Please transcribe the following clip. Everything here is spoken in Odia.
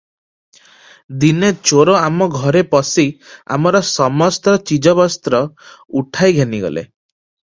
ଦିନେ ଚୋର ଆମ ଘରେ ପଶି ଆମର ସମସ୍ତ ଚିଜବସ୍ତ ଉଠାଇ ଘେନିଗଲେ ।